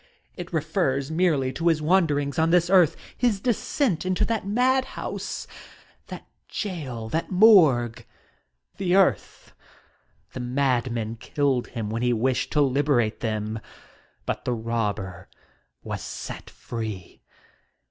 It refers merely to his wanderings on this earth — ^his descent into that madhouse, that jail, that morgue, the earth. The madmen killed him when he wished to liberate them, but the robber was set free.